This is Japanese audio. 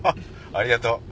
ありがとう。